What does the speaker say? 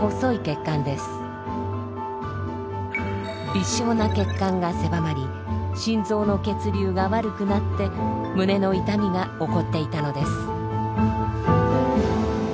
微小な血管が狭まり心臓の血流が悪くなって胸の痛みが起こっていたのです。